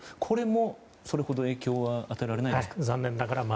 これも、それほど影響は与えられないですか？